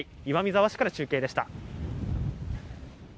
岩見沢市から中継でした。